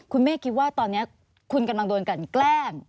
คุณเมฆคิดว่าตอนนี้คุณกำลังโดนกันแกล้ง